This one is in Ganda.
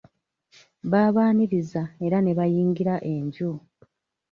Baabaniriza era ne bayingira enju.